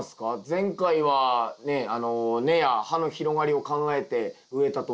前回はねえ根や葉の広がりを考えて植えたと思うんですけど。